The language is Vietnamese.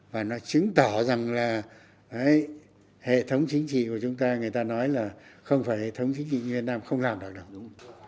và nó chứng tỏ rằng là hệ thống chính trị của chúng ta người ta nói là không phải hệ thống chính trị như việt nam không làm được nào đúng